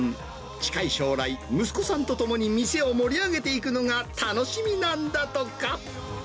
近い将来、息子さんと共に店を盛り上げていくのが楽しみなんだとか。